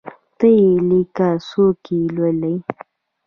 ته یی لیکه څوک یي لولﺉ